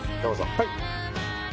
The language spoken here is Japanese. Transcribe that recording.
はい。